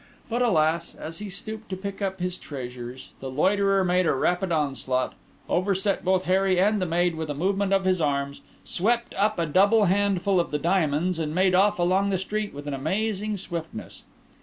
But, alas! as he stooped to pick up his treasures, the loiterer made a rapid onslaught, overset both Harry and the maid with a movement of his arms, swept up a double handful of the diamonds, and made off along the street with an amazing swiftness.